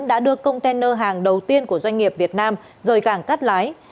đã được container hàng đầu tiên của doanh nghiệp việt nam rời cảng cắt lái